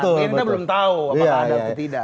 ini kita belum tahu apakah ada atau tidak